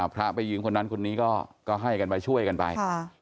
พระไปยิงคนนั้นคนนี้ก็ให้กันมาช่วยกันไป